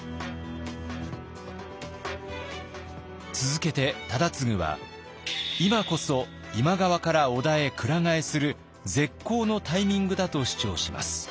続けて忠次は今こそ今川から織田へくら替えする絶好のタイミングだと主張します。